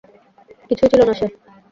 কিছুই ছিল না সে।